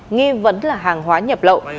nghi vấn là hàng hóa nhập lậu